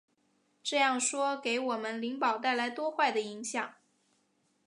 这样说给我们灵宝带来多坏的影响！